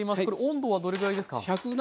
これ温度はどれぐらいですか？